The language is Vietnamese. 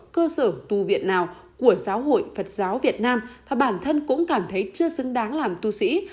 cơ sở tu viện nào của giáo hội phật giáo việt nam và bản thân cũng cảm thấy chưa xứng đáng làm tu sĩ